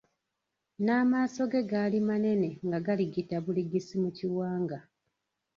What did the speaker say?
N’amaaso ge gaali manene nga galigita buligisi mu kiwanga.